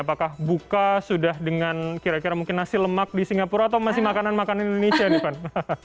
apakah buka sudah dengan kira kira mungkin nasi lemak di singapura atau masih makanan makanan indonesia nih van